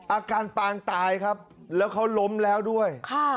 อาการปางตายครับแล้วเขาล้มแล้วด้วย